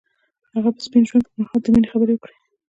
هغه د سپین ژوند پر مهال د مینې خبرې وکړې.